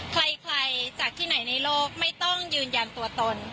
ใครจากที่ไหนในโลกไม่ต้องยืนยันตัวตน